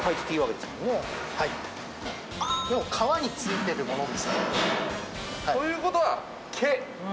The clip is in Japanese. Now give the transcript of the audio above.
でも皮に付いてるものですね。という事は。